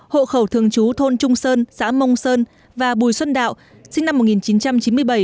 hộ khẩu thường trú thôn trung sơn xã mông sơn và bùi xuân đạo sinh năm một nghìn chín trăm chín mươi bảy